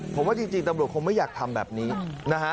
ผมว่าจริงตำรวจคงไม่อยากทำแบบนี้นะฮะ